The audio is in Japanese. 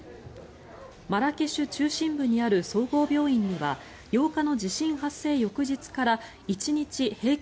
マラケシュ中心部にある総合病院には８日の地震発生翌日から１日平均